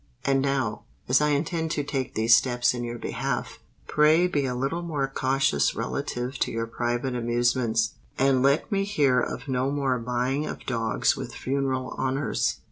And now, as I intend to take these steps in your behalf, pray be a little more cautious relative to your private amusements; and let me hear of no more burying of dogs with funeral honours.